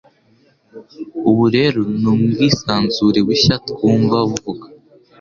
Ubu rero, nubwisanzure bushya twumva buvuga;